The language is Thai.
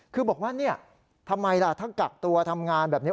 คือบอกว่าเนี่ยทำไมล่ะถ้ากักตัวทำงานแบบนี้